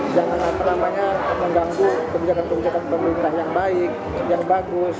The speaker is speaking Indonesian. jangan apa namanya mengganggu kebijakan kebijakan pemerintah yang baik yang bagus